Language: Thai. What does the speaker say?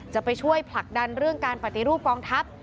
จะไปช่วยผลักดันเรื่องการปฏิรูปกองทัพ